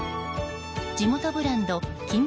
地元ブランド金星